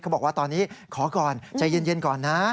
บอกว่าตอนนี้ขอก่อนใจเย็นก่อนนะ